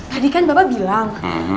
tadi kan bapak bilang